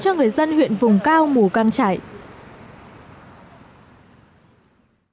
trong thời gian rất khắc phục đã và đang góp phần cung cấp nước tươi kịp thời cho nhiều diện tích lúa